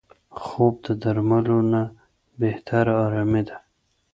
خوب د درملو نه بهتره آرامي ده